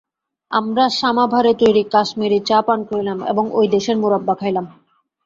আমরা সামাভারে তৈরী কাশ্মীরী চা পান করিলাম, এবং ঐ দেশের মোরব্বা খাইলাম।